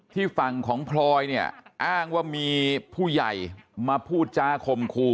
ฝั่งของพลอยเนี่ยอ้างว่ามีผู้ใหญ่มาพูดจาคมคู่